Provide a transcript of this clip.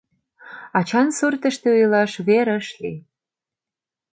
Ачан суртышто илаш вер ыш лий.